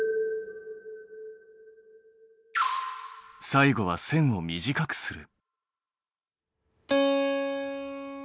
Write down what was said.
最後は線を短くする。